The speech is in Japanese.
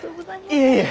いえいえ！